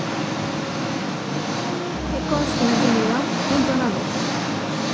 結婚式の準備は順調なの？